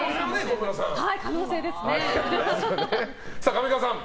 上川さん